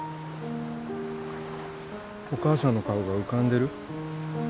お母さんの顔が浮かんでる？